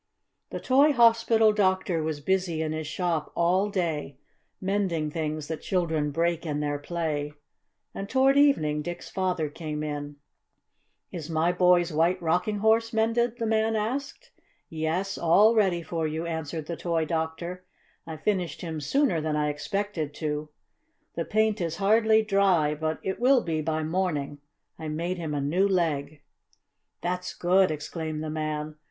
The toy hospital doctor was busy in his shop all day, mending things that children break in their play, and toward evening Dick's father came in. "Is my boy's White Rocking Horse mended?" the man asked. "Yes, all ready for you," answered the toy doctor. "I finished him sooner than I expected to. The paint is hardly dry, but it will be by morning. I made him a new leg." "That's good!" exclaimed the man.